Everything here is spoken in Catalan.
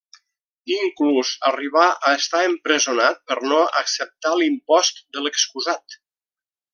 Inclús, arribà a estar empresonat per no acceptar l'impost de l'excusat.